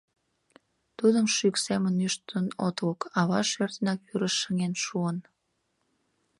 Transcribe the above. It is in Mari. Тудым шӱк семын ӱштын от лук, ава шӧр денак вӱрыш шыҥен шуын.